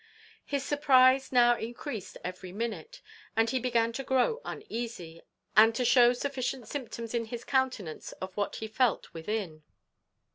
His surprize now encreased every minute, and he began to grow uneasy, and to shew sufficient symptoms in his countenance of what he felt within.